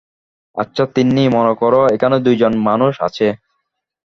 আচ্ছা তিন্নি, মনে কর এখানে দু জন মানুষ আছে।